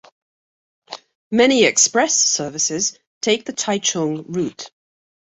Many express services take the Taichung route.